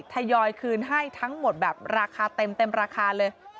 ยอยคืนให้ทั้งหมดแบบราคาเต็มราคาเลย